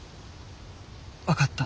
分かった。